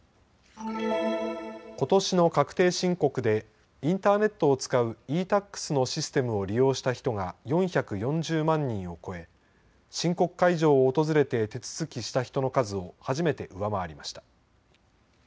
ことしの確定申告でインターネットを使うｅーＴａｘのシステムを利用した人が４４０万人を超え申告会場を訪れて手続きした人の数を初めて上回りました。